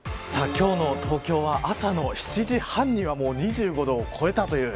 今日の東京は朝の７時半にはもう２５度を超えたという。